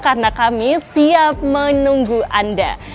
karena kami siap menunggu anda